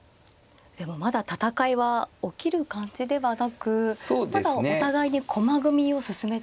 でもまだ戦いは起きる感じではなくまだお互いに駒組みを進めて。